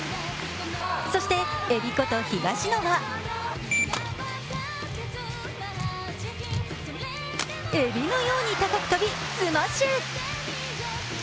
そして、えびこと東野はえびのように高く跳びスマッシュ。